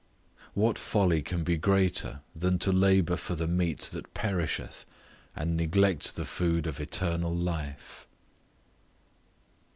What folly can be greater than to labour for the meat that perisheth, and neglect the food of eternal life?